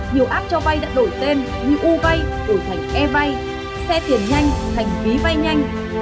nhiều app cho vay đã đổi tên như u vay đổi thành e vay tiền nhanh thành phí vay nhanh